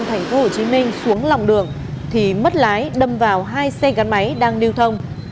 khi hà nội tp hcm xuống lòng đường thì mất lái đâm vào hai xe gắn máy đang điều thông